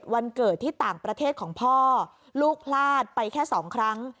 วันเกิดที่ต่างประเทศของพ่อลูกพลาดไปแค่สองครั้ง